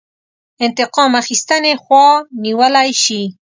انتقام اخیستنې خوا نیولی شي.